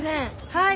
はい。